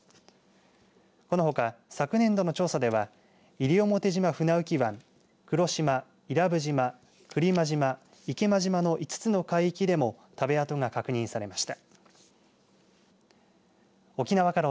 このほか昨年度の調査では西表島船浮湾黒島、伊良部島、来間島池間島の５つの海域でも食べ跡が確認されました。